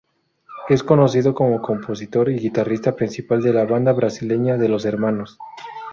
Es conocido como compositor y guitarrista principal de la banda brasileña de Los Hermanos.